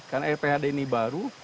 karena lphd ini baru